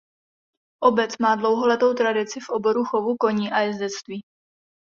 Obec má dlouholetou tradici v oboru chovu koní a jezdectví.